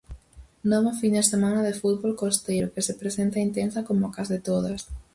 Nova fin de semana de fútbol costeiro, que se presenta intensa coma case todas.